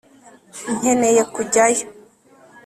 nkeneye kujyayo